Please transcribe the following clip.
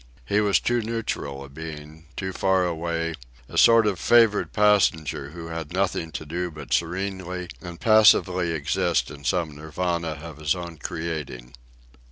He was too neutral a being, too far away, a sort of favoured passenger who had nothing to do but serenely and passively exist in some Nirvana of his own creating.